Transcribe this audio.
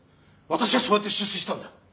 私はそうやって出世したんだ。